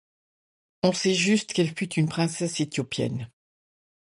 On sait juste qu'elle fut une princesse Éthiopienne.